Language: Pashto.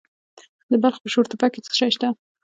د بلخ په شورتپه کې څه شی شته؟